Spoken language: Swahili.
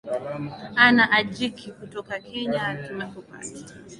anna ajiki kutoka kenya tumekupata